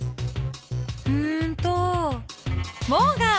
うーんとモーガン。